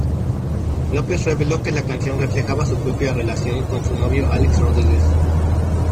Lopez reveló que la canción reflejaba su propia relación con su novio Alex Rodríguez.